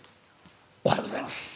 おはようございます。